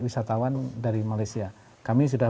wisatawan dari malaysia kami sudah